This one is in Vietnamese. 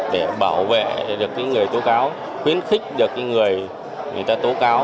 để bảo vệ được cái người tố cáo khuyến khích được cái người người ta tố cáo